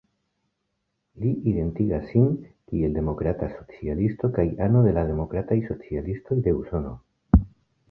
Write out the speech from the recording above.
Li identigas sin kiel demokrata socialisto kaj ano de la Demokrataj Socialistoj de Usono.